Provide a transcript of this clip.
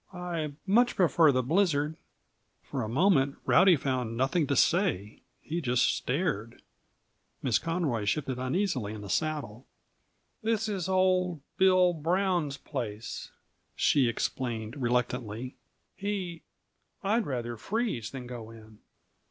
"I much prefer the blizzard." For a moment Rowdy found nothing to say; he just stared. Miss Conroy shifted uneasily in the saddle. "This is old Bill Brown's place," she explained reluctantly. "He I'd rather freeze than go in!"